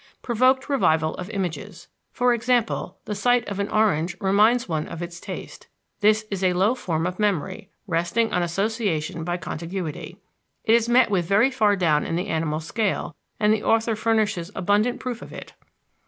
Provoked revival of images. For example, the sight of an orange reminds one of its taste. This is a low form of memory, resting on association by contiguity. It is met with very far down in the animal scale, and the author furnishes abundant proof of it.